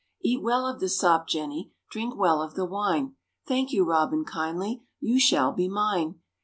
Eat well of the sop, Jenny, Drink well of the wine; Thank you Robin kindly, You shall be mine.